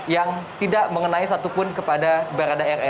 yang tidak mengenai satupun kepada barada e